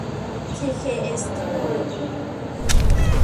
ที เค เอส เทคโนโลยี